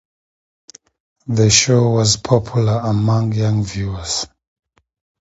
The show was popular among young viewers.